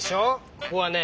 ここはね